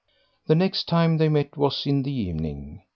The next time they met was in the evening.